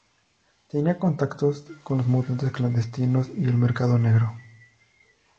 Tenía contactos con la mutantes clandestinos y el mercado negro.